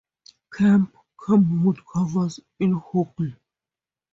Camp Camwood covers in Hockley.